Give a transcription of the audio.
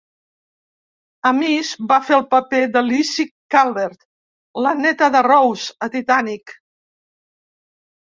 Amis va fer el paper de Lizzy Calvert, la neta de Rose, a "Titanic".